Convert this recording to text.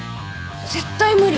絶対無理！